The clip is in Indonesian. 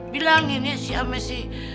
bilangin ya si ames